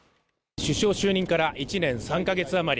首相就任から１年３か月余り。